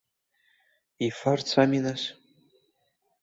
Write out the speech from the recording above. Ифарц ами нас.